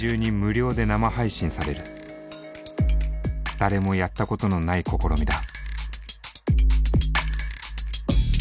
誰もやったことのない試みだ。